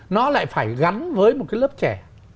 nó lại phải gắn với một cái lớp trẻ